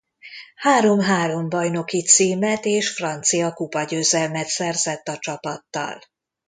Három-három bajnoki címet és francia kupa-győzelmet szerzett a csapattal.